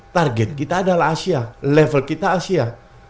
target kita adalah asia level kita asia